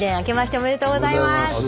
おめでとうございます。